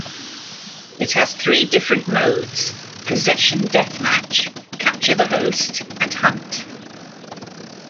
It has three different modes: Possession Deathmatch, Capture the Host and Hunt.